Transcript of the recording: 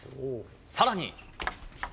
さらに。